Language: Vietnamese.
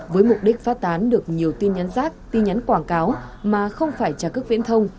với mục đích phát tán được nhiều tin nhắn rác tin nhắn quảng cáo mà không phải trả cước viễn thông